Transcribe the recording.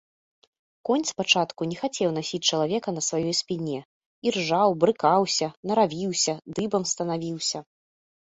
Конь спачатку не хацеў насіць чалавека на сваёй спіне, іржаў, брыкаўся, наравіўся, дыбам станавіўся.